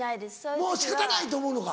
もう仕方ないと思うのか。